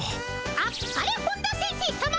あっぱれ本田先生さま。